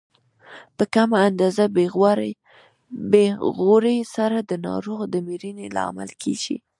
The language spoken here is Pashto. په کمه اندازه بې غورۍ سره د ناروغ د مړینې لامل کیږي.